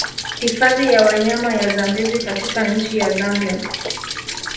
Hifadhi ya wanyama ya Zambezi katika nchi ya Zambia